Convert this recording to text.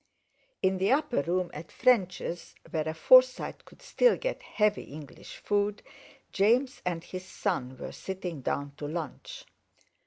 In the upper room at French's, where a Forsyte could still get heavy English food, James and his son were sitting down to lunch.